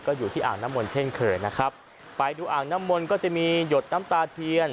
ก็อยู่ที่อ่างน้ำมนต์เช่นเคยนะครับไปดูอ่างน้ำมนต์ก็จะมีหยดน้ำตาเทียน